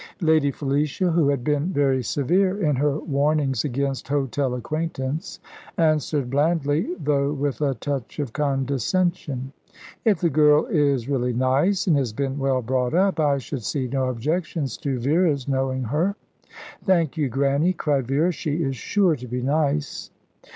Lady Felicia, who had been very severe in her warnings against hotel acquaintance, answered blandly, though with a touch of condescension. "If the girl is really nice, and has been well brought up, I should see no objections to Vera's knowing her." "Thank you, Grannie," cried Vera. "She is sure to be nice!"